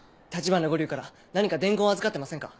橘五柳から何か伝言を預かってませんか？